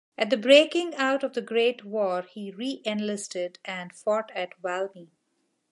At the breaking out of the great war he re-enlisted and fought at Valmy.